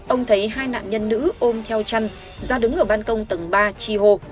ông thấy hai nạn nhân nữ ôm theo chăn ra đứng ở ban công tầng ba chi hô